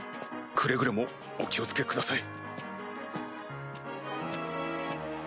くれぐれもお気を付けください。